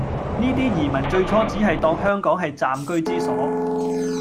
呢啲移民最初只係當香港係暫居之所